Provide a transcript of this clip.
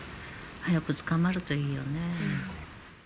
早く捕まるといいよね。